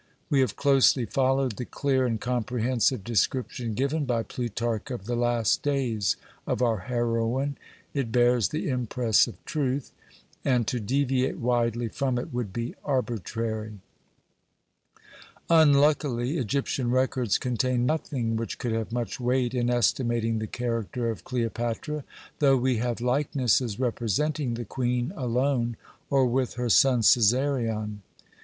We have closely followed the clear and comprehensive description given by Plutarch of the last days of our heroine. It bears the impress of truth, and to deviate widely from it would be arbitrary. Unluckily, Egyptian records contain nothing which could have much weight in estimating the character of Cleopatra, though we have likenesses representing the Queen alone, or with her son Cæsarion.